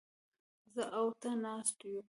زه او ته ناست يوو.